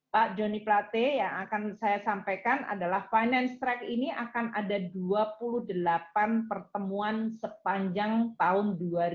pak joni plate yang akan saya sampaikan adalah finance track ini akan ada dua puluh delapan pertemuan sepanjang tahun dua ribu dua puluh